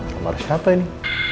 kamar siapa ini